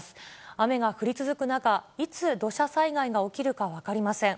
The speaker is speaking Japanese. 雨が降り続く中、いつ土砂災害が起きるか分かりません。